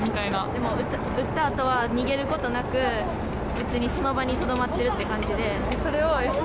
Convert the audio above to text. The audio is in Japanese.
でも撃った後は逃げることなく別に、その場にとどまってるって感じで。